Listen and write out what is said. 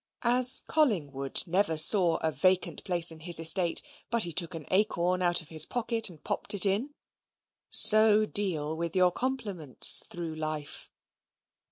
As Collingwood never saw a vacant place in his estate but he took an acorn out of his pocket and popped it in; so deal with your compliments through life.